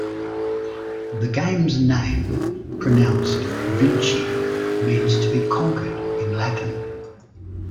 The game's name, pronounced "Vinchi", means "to be conquered" in Latin.